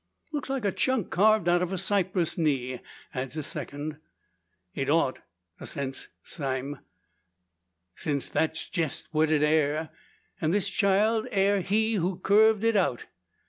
"Looks like a chunk carved out of a cypress knee," adds a second. "It ought," assents Sime, "since that's jest what it air; an' this child air he who curved it out.